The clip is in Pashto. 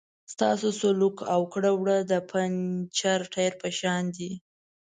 ستاسو سلوک او کړه وړه د پنچر ټایر په شان دي.